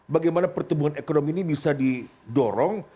bagaimana pertumbuhan ekonomi ini bisa didorong